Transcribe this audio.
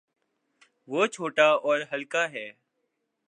وہ چھوٹا اور ہلکا ہے۔